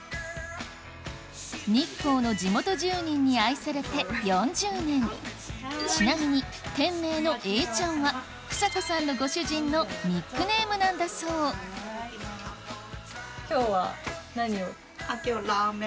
日光の地元住人に愛されて４０年ちなみに店名の「えーちゃん」は房子さんのご主人のニックネームなんだそう今日は何を？